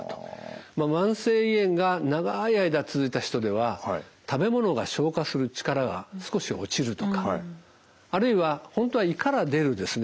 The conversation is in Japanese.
慢性胃炎が長い間続いた人では食べ物が消化する力が少し落ちるとかあるいは本当は胃から出るですね